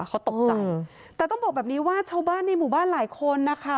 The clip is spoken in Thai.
เขาตกใจแต่ต้องบอกแบบนี้ว่าชาวบ้านในหมู่บ้านหลายคนนะคะ